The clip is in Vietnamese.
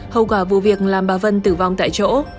hậu quả vụ việc làm bà vân tử vong tại chỗ